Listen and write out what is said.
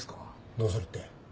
どうするって？